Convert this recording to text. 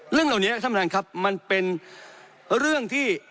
เรื่องเหล่านี้ท่านประธานครับมันเป็นเรื่องที่